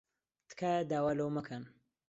تکایە داوا لەو مەکەن.